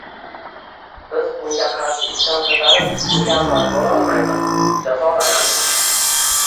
Biz unga qarshi isyon ko'tarib mukammal bo'lolmaymiz, jazolanamiz